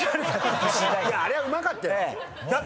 いやあれはうまかったよ。